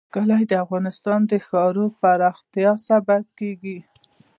کلي د افغانستان د ښاري پراختیا سبب کېږي.